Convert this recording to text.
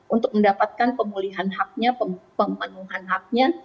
untuk mendapatkan pemulihan haknya pemenuhan haknya